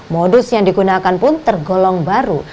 modus yang digunakan pun tergolong baru